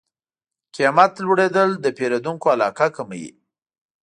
قیمت لوړېدل د پیرودونکو علاقه کموي.